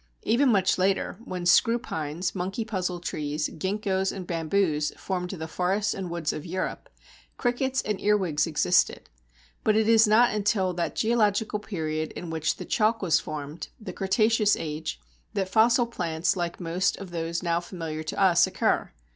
Even much later on, when screw pines, monkey puzzle trees, ginkgos, and bamboos formed the forests and woods of Europe, crickets and earwigs existed; but it is not until that geological period in which the chalk was formed (the Cretaceous age) that fossil plants like most of those now familiar to us occur.